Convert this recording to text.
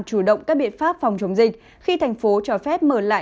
chủ động các biện pháp phòng chống dịch khi thành phố cho phép mở lại